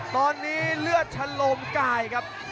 ตอนนี้เลือดชะโลมกายครับ